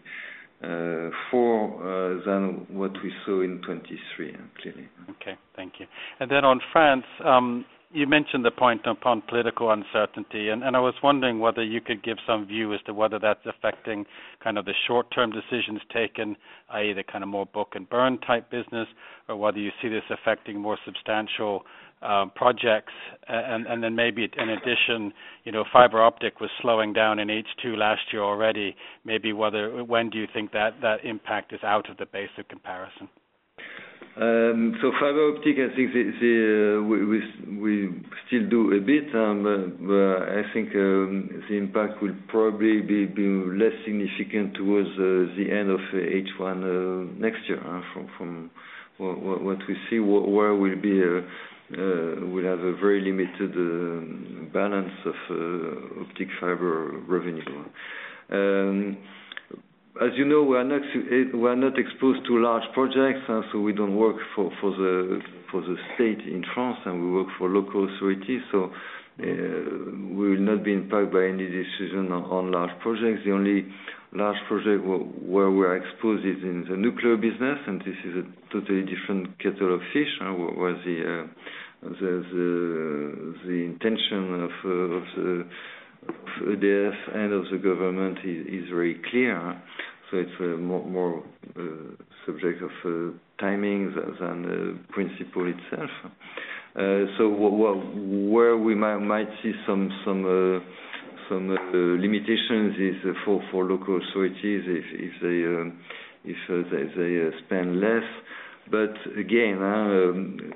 than what we saw in 2023, clearly. Okay. Thank you. And then on France, you mentioned the point upon political uncertainty. And I was wondering whether you could give some view as to whether that's affecting kind of the short-term decisions taken, i.e., the kind of more book and burn type business, or whether you see this affecting more substantial projects. And then maybe in addition, fiber optic was slowing down in H2 last year already. Maybe when do you think that impact is out of the base of comparison? So fiber optic, I think we still do a bit. I think the impact will probably be less significant towards the end of H1 next year from what we see, where we'll have a very limited balance of optic fiber revenue. As you know, we are not exposed to large projects. So we don't work for the state in France, and we work for local authorities. So we will not be impacted by any decision on large projects. The only large project where we are exposed is in the nuclear business. And this is a totally different kettle of fish. The intention of EDF and of the government is very clear. So it's more subject of timing than the principle itself. So where we might see some limitations is for local authorities if they spend less. But again, the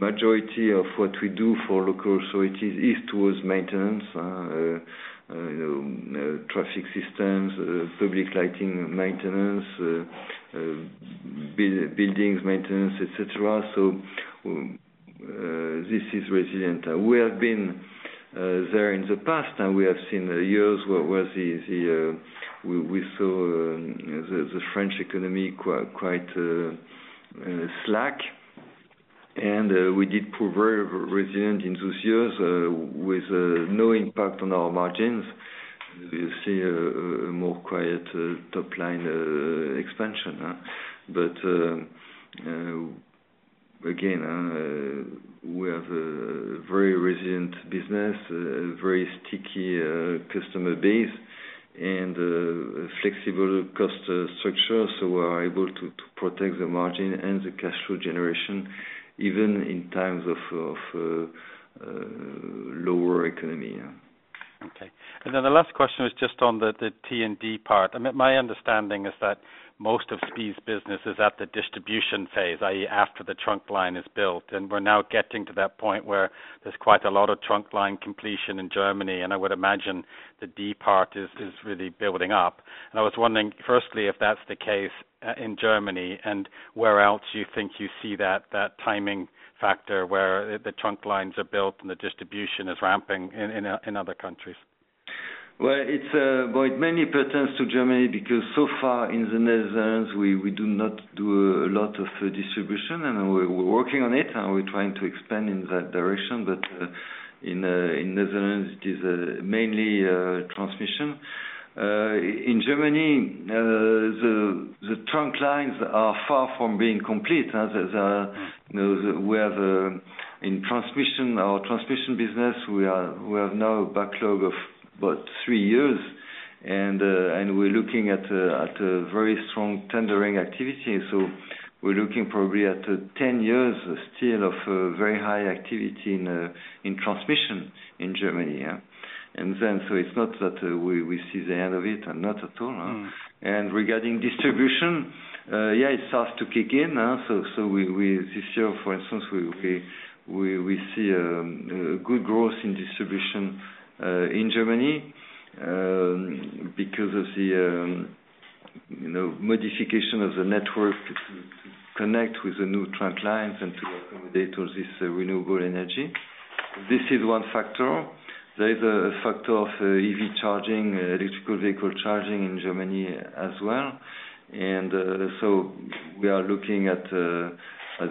majority of what we do for local authorities is towards maintenance, traffic systems, public lighting maintenance, buildings maintenance, etc. So this is resilient. We have been there in the past, and we have seen years where we saw the French economy quite slack. And we did prove very resilient in those years with no impact on our margins. You see a more quiet top-line expansion. But again, we have a very resilient business, a very sticky customer base, and a flexible cost structure. So we are able to protect the margin and the cash flow generation even in times of lower economy. Okay. And then the last question was just on the T&D part. My understanding is that most of Spain's business is at the distribution phase, i.e., after the trunk line is built. And we're now getting to that point where there's quite a lot of trunk line completion in Germany. And I would imagine the D part is really building up. And I was wondering, firstly, if that's the case in Germany and where else you think you see that timing factor where the trunk lines are built and the distribution is ramping in other countries. Well, it mainly pertains to Germany because so far in the Netherlands, we do not do a lot of distribution. And we're working on it, and we're trying to expand in that direction. But in the Netherlands, it is mainly transmission. In Germany, the trunk lines are far from being complete. We have in transmission, our transmission business; we have now a backlog of about three years, and we're looking at a very strong tendering activity, so we're looking probably at 10 years still of very high activity in transmission in Germany, and so it's not that we see the end of it, not at all, and regarding distribution, yeah, it starts to kick in, so this year, for instance, we see good growth in distribution in Germany because of the modification of the network to connect with the new trunk lines and to accommodate all this renewable energy. This is one factor. There is a factor of EV charging, electrical vehicle charging in Germany as well, and so we are looking at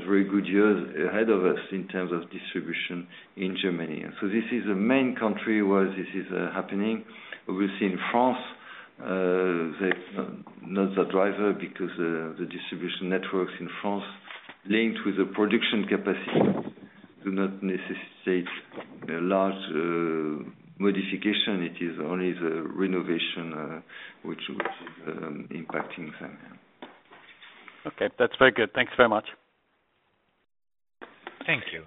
very good years ahead of us in terms of distribution in Germany, so this is the main country where this is happening. Obviously, in France, they're not the driver because the distribution networks in France linked with the production capacity do not necessitate a large modification. It is only the renovation which is impacting them. Okay. That's very good. Thanks very much. Thank you.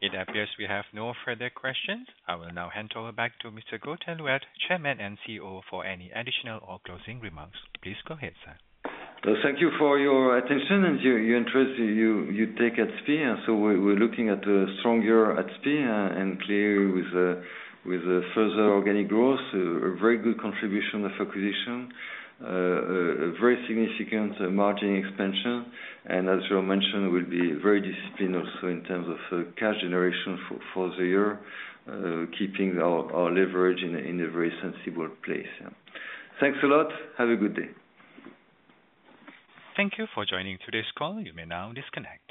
It appears we have no further questions. I will now hand over back to Mr. Louette, who is Chairman and CEO for any additional or closing remarks. Please go ahead, sir. Thank you for your attention and your interest you take in SPIE. So we're looking at a strong year at SPIE and clearly with further organic growth, a very good contribution of acquisition, a very significant margin expansion. And as you mentioned, we'll be very disciplined also in terms of cash generation for the year, keeping our leverage in a very sensible place. Thanks a lot. Have a good day. Thank you for joining today's call. You may now disconnect.